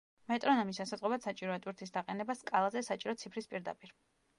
მეტრონომის ასაწყობად საჭიროა ტვირთის დაყენება სკალაზე საჭირო ციფრის პირდაპირ.